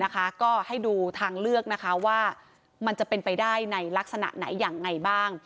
ก็ให้ดูทางเลือกนะคะว่ามันจะเป็นไปได้ในลักษณะไหนยังไงบ้าง